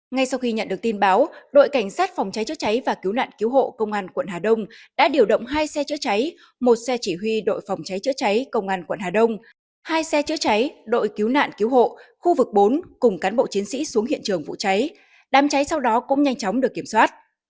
ngay sau khi nhận được tin báo đội cảnh sát phòng cháy chữa cháy và cứu nạn cứu hộ công an quận hà đông đã điều động hai xe chữa cháy một xe chỉ huy đội phòng cháy chữa cháy công an quận hà đông hai xe chữa cháy đội cứu nạn cứu hộ khu vực bốn cùng cán bộ chiến sĩ xuống hiện trường vụ cháy đám cháy sau đó cũng nhanh chóng được kiểm soát